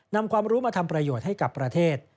ความรู้มาทำประโยชน์ให้กับประเทศ